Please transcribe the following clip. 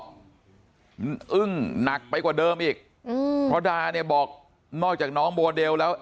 มันอึ้งหนักไปกว่าเดิมอีกอืมเพราะดาเนี่ยบอกนอกจากน้องโมเดลแล้ว